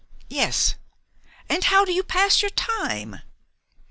"Yes." "And how do you pass your time?"